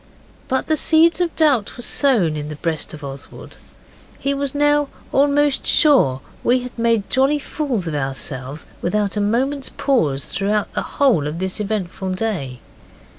But the seeds of doubt were sown in the breast of Oswald. He was now almost sure that we had made jolly fools of ourselves without a moment's pause throughout the whole of this eventful day.